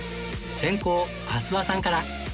先攻阿諏訪さんから